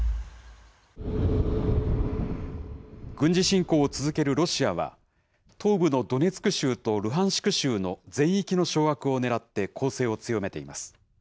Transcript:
軍事侵攻を続けるロシアは、東部のドネツク州とルハンシク州の全域の掌握を狙って攻勢を強めています。